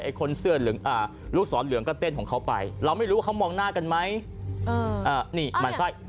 ไอ้คนเสื้อหรือลูกศรเหลืองก็เต้นของเขาไปเราไม่รู้เขามองหน้ากันไหม